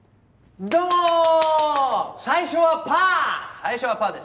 最初はパーです。